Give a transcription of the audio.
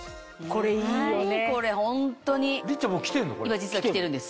今実は着てるんです